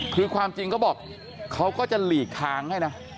คือความจริงเขาบอกเขาก็จะหลีกทางให้นะ